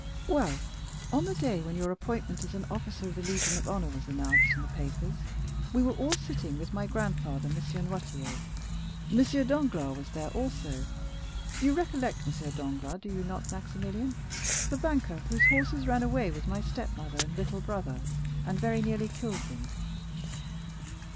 Well, on the day when your appointment as an officer of the Legion of Honor was announced in the papers, we were all sitting with my grandfather, M. Noirtier; M. Danglars was there also—you recollect M. Danglars, do you not, Maximilian, the banker, whose horses ran away with my stepmother and little brother, and very nearly killed them?